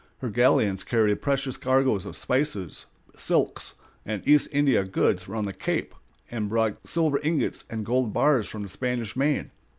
Her galleons carried precious cargoes of spices, silks, and East India goods around the Cape, and brought silver ingots and gold bars from the Spanish Main.